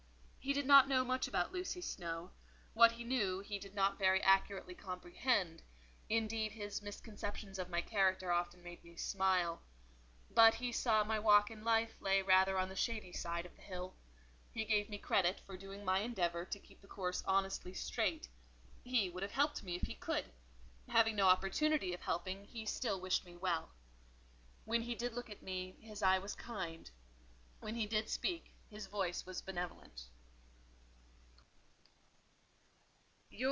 He did not know much about Lucy Snowe; what he knew, he did not very accurately comprehend: indeed his misconceptions of my character often made me smile; but he saw my walk in life lay rather on the shady side of the hill: he gave me credit for doing my endeavour to keep the course honestly straight; he would have helped me if he could: having no opportunity of helping, he still wished me well. When he did look at me, his eye was kind; when he did speak, his voice was benevolent.